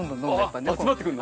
集まってくるの？